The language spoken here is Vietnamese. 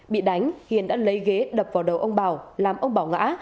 bị đánh hiền đã lấy ghế đập vào đầu ông bảo làm ông bỏ ngã